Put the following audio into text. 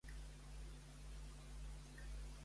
Em va encantar el temps en Klaus 'Place.